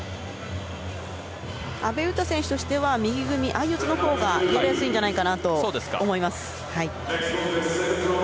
阿部詩選手としては右組み、相四つのほうがやりやすいんじゃないかと思います。